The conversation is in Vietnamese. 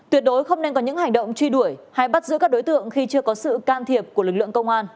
tuyệt đối không nên có những hành động truy đuổi hay bắt giữ các đối tượng khi chưa có sự can thiệp của lực lượng công an